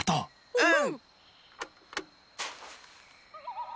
うん。